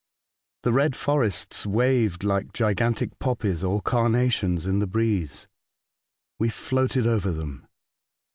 The red forests waved like gigantic poppies or carnations in the breeze. We floated over them.